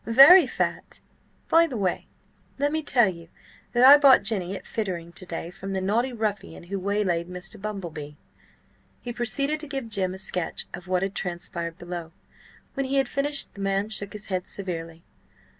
Very fat. By the way, let me tell you that I bought Jenny at Fittering to day from the naughty ruffian who waylaid Mr. Bumble Bee." He proceeded to give Jim a sketch of what had transpired below. When he had finished the man shook his head severely.